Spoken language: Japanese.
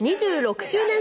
２６周年